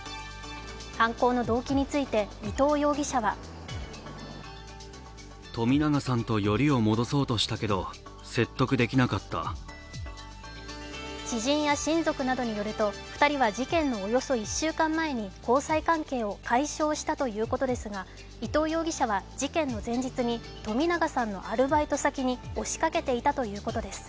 犯行の動機について伊藤容疑者は知人や親族などによると２人は事件のおよそ１週間前に交際関係を解消したということですが、伊藤容疑者は事件の前日に冨永さんのアルバイト先に押しかけていたということです。